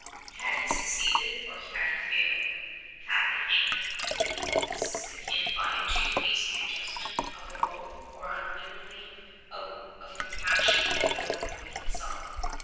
Had he succeeded, or had he failed? Had the hangman 56 unwittingly assisted him by a too hasty adjustment of the rope, or wittingly out of compassion for the boy himself